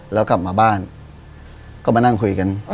แล้วกลับมาบ้านก็มานั่งคุยกัน